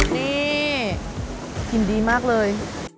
นี่ยินดีมากเลย